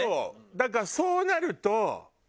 だからそうなると。